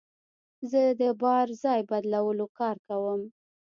زه د بار ځای بدلولو کار کوم.